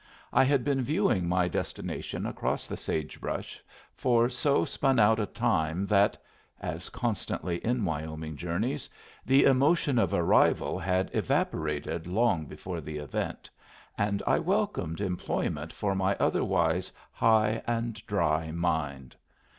I had been viewing my destination across the sagebrush for so spun out a time that (as constantly in Wyoming journeys) the emotion of arrival had evaporated long before the event, and I welcomed employment for my otherwise high and dry mind.